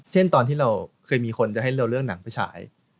ตอนที่เราเคยมีคนจะให้เราเลือกหนังไปฉาย